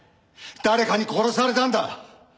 誰かに殺されたんだ！